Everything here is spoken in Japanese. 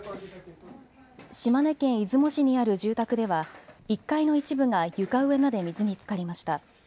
島根県出雲市にある住宅では１階の一部が床上まで水につかりました。